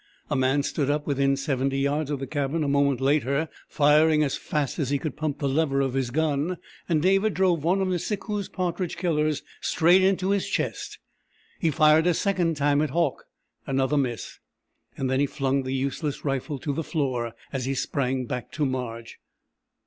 A man stood up within seventy yards of the cabin a moment later, firing as fast as he could pump the lever of his gun, and David drove one of Nisikoos' partridge killers straight into his chest. He fired a second time at Hauck another miss! Then he flung the useless rifle to the floor as he sprang back to Marge.